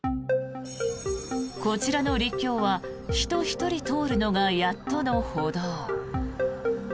こちらの陸橋は人１人通るのがやっとの歩道。